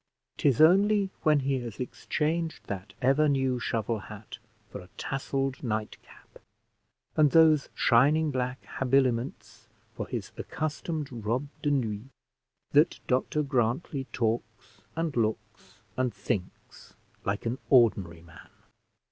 'Tis only when he has exchanged that ever new shovel hat for a tasselled nightcap, and those shining black habiliments for his accustomed robe de nuit, that Dr Grantly talks, and looks, and thinks like an ordinary man.